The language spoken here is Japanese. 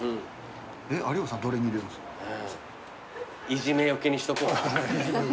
いじめ除けにしとこう。